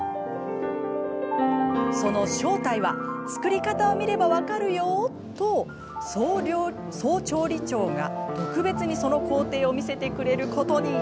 その正体は作り方を見れば分かるよと総調理長が特別にその工程を見せてくれることに。